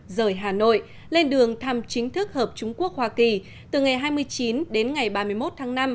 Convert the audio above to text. rời hà nội lên đường thăm chính thức hợp trung quốc hoa kỳ từ ngày hai mươi chín đến ngày ba mươi một tháng năm